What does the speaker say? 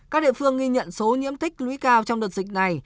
các địa phương ghi nhận số nhiễm tích lũy cao trong đợt dịch này